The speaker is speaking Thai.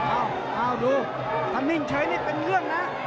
เอ้าเอ้าดูคันนิ่งเฉยนิดเป็นเรื่องนะ